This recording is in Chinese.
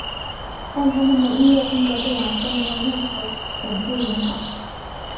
但他们的音乐风格对王菲没有任何显着影响。